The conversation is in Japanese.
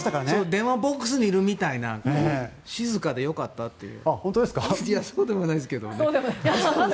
電話ボックスにいるみたいな静かでよかったという。